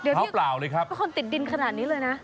เท้าเปล่าเลยครับเป็นคนติดดินขนาดนี้เลยนะ